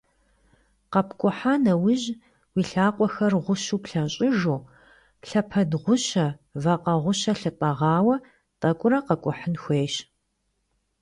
КъэпкӀухьа нэужь, уи лъакъуэхэр гъущэу плъэщӀыжу, лъэпэд гъущэ, вакъэ гъущэ лъытӀэгъауэ тӀэкӀурэ къэкӀухьын хуейщ.